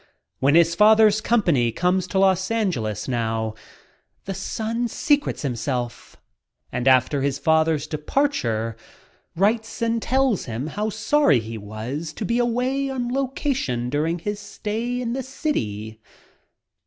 When his father's company comes to Los Angeles now the son secretes himself and after his father's departure writes and tells him how sorry he was to be away on location during his stay in the city.